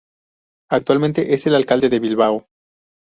Actualmente es el alcalde de Bilbao.